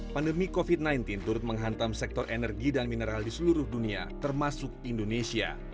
pandemi covid sembilan belas turut menghantam sektor energi dan mineral di seluruh dunia termasuk indonesia